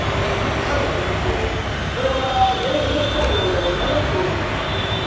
甲斐の源氏でこれまた源氏の棟梁を名乗っておるのです。